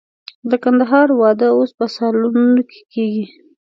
د کندهار واده اوس په سالونونو کې کېږي.